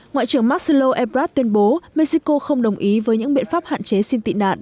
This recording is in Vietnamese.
ngoại trưởng marcelo ebrard tuyên bố mexico không đồng ý với những biện pháp hạn chế xin tị nạn